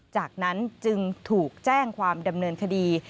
จากนั้นจึงถูกแจ้งความดำเนินคดี